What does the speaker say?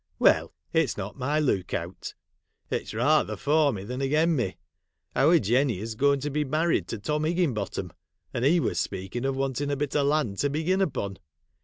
Well ! it 's not my look out. It 's rather for me than again me. Our Jenny is going to be married to Tom Higginbot ham, and he was speaking of wanting a bit of land to begin upon.